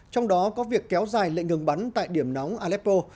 trong đó có việc kéo dài lệnh ngừng bắn tại điểm nóng aleppo